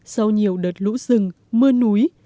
sau nhiều đợt lũ sừng mưa núi